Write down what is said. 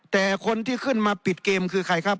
แต่คนที่ขึ้นมาปิดเกมคือใครครับ